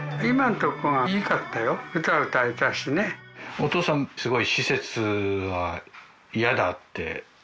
お父さんすごい。